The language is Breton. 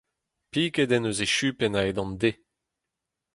Piket en deus e chupenn a-hed an deiz !